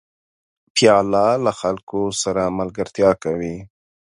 پیاله له خلکو سره ملګرتیا کوي.